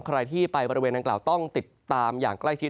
ใครที่ไปบริเวณนางกล่าวต้องติดตามอย่างใกล้ชิด